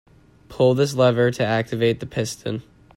Pull this lever to activate the piston.